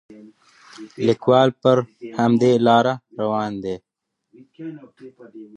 لیکوال پر همدې لاره روان دی.